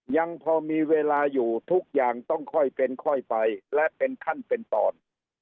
ยังพอมีเวลาอยู่ทุกอย่างต้องค่อยเป็นค่อยไปและเป็นขั้นเป็นตอน